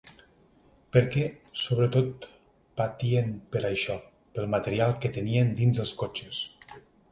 Perquè sobretot patien per això, pel material que tenien dins els cotxes.